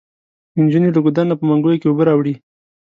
انجونې له ګودر نه په منګيو کې اوبه راوړي.